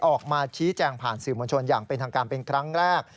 ออกมาชี้แจงผ่านสื่อมวลชนอย่างเป็นทางการเป็นครั้งแรก